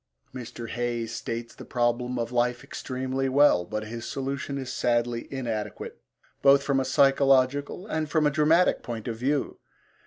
Mr. Hayes states the problem of life extremely well, but his solution is sadly inadequate both from a psychological and from a dramatic point of view.